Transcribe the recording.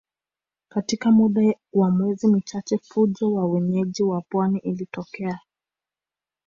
Katika muda wa miezi michache fujo ya wenyeji wa pwani ilitokea